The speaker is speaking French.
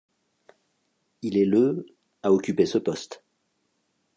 Il est le à occuper ce poste.